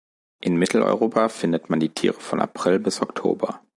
In Mitteleuropa findet man die Tiere von April bis Oktober.